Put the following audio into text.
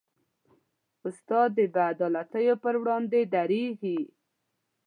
استاد د بېعدالتیو پر وړاندې دریږي.